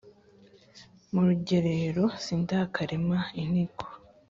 Mu rugerero sindakarema inteko